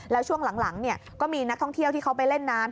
แล้วช่วงหลังก็มีนักท่องเที่ยวที่เขาไปเล่นน้ำ